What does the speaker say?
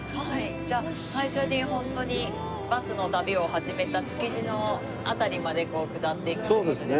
じゃあ最初にホントにバスの旅を始めた築地の辺りまで下っていくって事ですよね。